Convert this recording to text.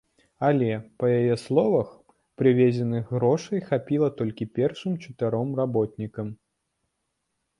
Але, па яе словах, прывезеных грошай хапіла толькі першым чатыром работнікам.